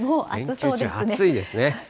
連休中暑いですね。